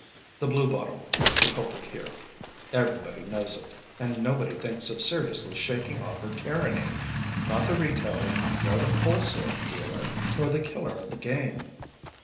The bluebottle is the culprit here. Everybody knows it; and nobody thinks of seriously shaking off her tyranny: not the retailer, nor the wholesale dealer, nor the killer of the game.